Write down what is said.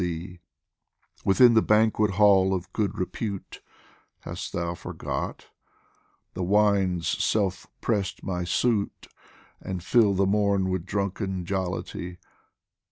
POEMS FROM THE Within the banquet hall of Good Repute (Hast thou forgot ?) the wine's self pressed my suit, And filled the morn with drunken jollity